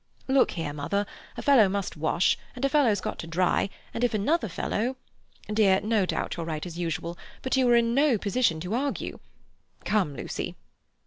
"Look here, mother, a fellow must wash, and a fellow's got to dry, and if another fellow—" "Dear, no doubt you're right as usual, but you are in no position to argue. Come, Lucy."